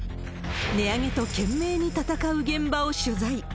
値上げと懸命に闘う現場を取材。